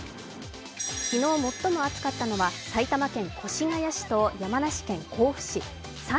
昨日、最も暑かったのは埼玉県越谷市と山梨県甲府市。